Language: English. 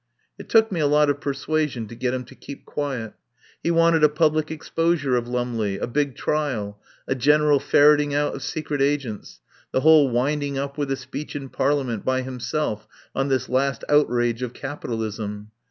It took me a lot of persuasion to get him to keep quiet. He wanted a public exposure of Lumley, a big trial, a general ferreting out of secret agents, the whole winding up with a speech in Parliament by himself on this last outrage of Capitalism.